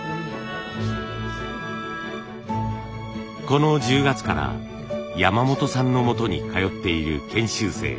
この１０月から山本さんのもとに通っている研修生